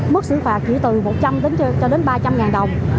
mức xử phạt chỉ từ một trăm linh cho đến ba trăm linh ngàn đồng